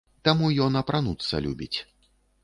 Таму ён апрануцца любіць.